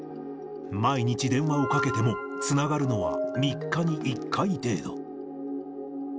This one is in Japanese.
毎日電話をかけても、つながるのは３日に１回程度。